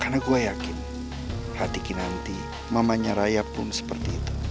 karena gue yakin hati kinanti mamanya raya pun seperti itu